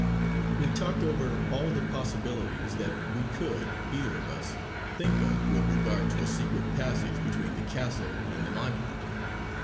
We talked over all the possibilities that we could either of us think of with regard to a secret passage between the castle and the monument.